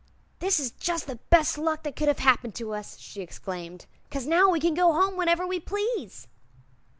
"This is jus' the best luck that could have happened to us," she exclaimed, "'cause now we can go home whenever we please."